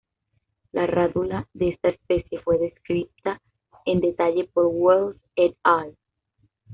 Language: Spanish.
La rádula de esta especie fue descripta en detalle por Wells et al.